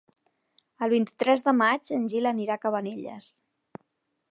El vint-i-tres de maig en Gil anirà a Cabanelles.